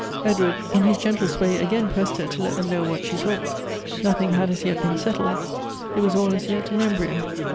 Edward in his gentlest way again pressed her to let them know what she thought — nothing had as yet been settled — it was all as yet in embryo.